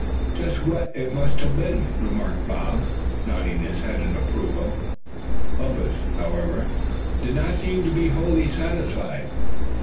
"Just what it must have been," remarked Bob, nodding his head in approval. Bumpus, however, did not seem to be wholly satisfied.